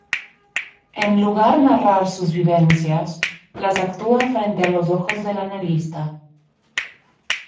En lugar narrar sus vivencias, las actúa frente a los ojos del analista.